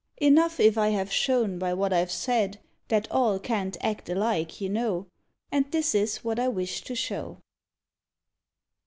Enough, if I have shown by what I've said, That all can't act alike, you know; And this is what I wished to show.